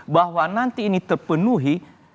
bahwa nanti ini terpenuhi